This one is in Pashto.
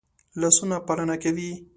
لاسونه پالنه کوي